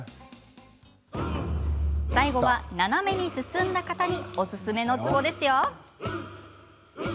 最後は斜めに進んだ方におすすめのツボですよ。